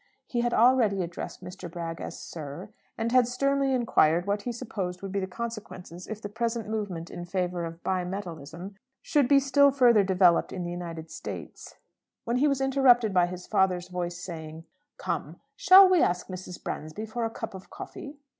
He had already addressed Mr. Bragg as "Sir," and had sternly inquired what he supposed would be the consequence if the present movement in favour of bimetallism should be still further developed in the United States, when he was interrupted by his father's voice saying "Come, shall we ask Mrs. Bransby for a cup of coffee?"